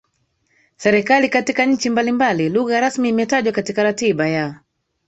serikali Katika nchi mbalimbali lugha rasmi imetajwa katika katiba ya